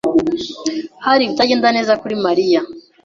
Hariho ibitagenda neza kuri Mariya.